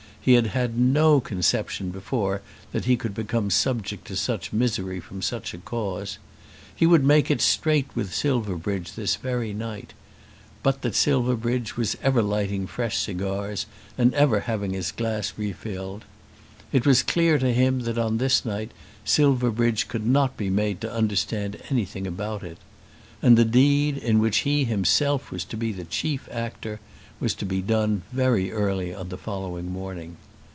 He had had no conception before that he could become subject to such misery from such a cause. He would make it straight with Silverbridge this very night, but that Silverbridge was ever lighting fresh cigars and ever having his glass refilled. It was clear to him that on this night Silverbridge could not be made to understand anything about it. And the deed in which he himself was to be the chief actor was to be done very early in the following morning.